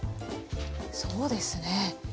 そうですね。